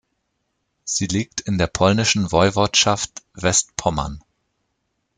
Sie liegt in der polnischen Woiwodschaft Westpommern.